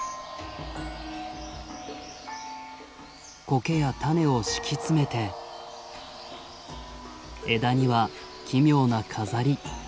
コケや種を敷き詰めて枝には奇妙な飾り。